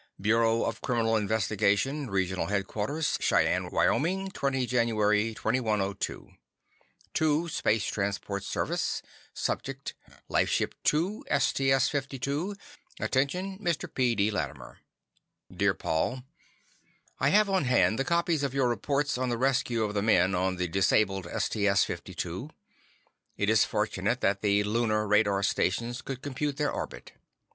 Bureau of Criminal Investigation Regional Headquarters Cheyenne, Wyoming 20 January 2102 To: Space Transport Service Subject: Lifeship 2, STS 52 Attention Mr. P. D. Latimer Dear Paul, I have on hand the copies of your reports on the rescue of the men on the disabled STS 52. It is fortunate that the Lunar radar stations could compute their orbit.